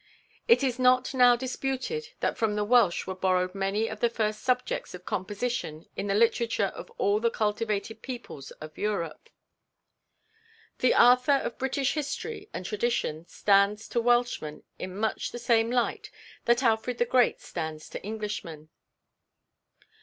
It is not now disputed that from the Welsh were borrowed many of the first subjects of composition in the literature of all the cultivated peoples of Europe. The Arthur of British history and tradition stands to Welshmen in much the same light that Alfred the Great stands to Englishmen.